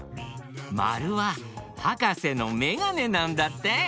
まるははかせのめがねなんだって！